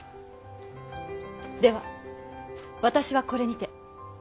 では私はこれにて。